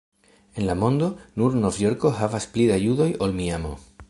En la mondo, nur Novjorko havas pli da judoj ol Miamo.